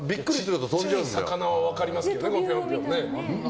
小さい魚は分かりますけどね。